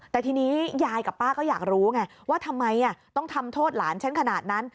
แต่ทีนี้ยายกับป้าก็อยากรู้ไงว่าทำไมต้องทำโทษหลานฉันขนาดนั้น